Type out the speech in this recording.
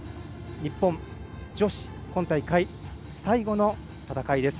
日本女子、今大会最後の戦いです。